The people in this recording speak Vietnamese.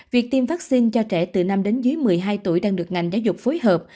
việc tiêm vaccine cho trẻ từ năm đến dưới một mươi hai tuổi đang được ngành giáo dục phối hợp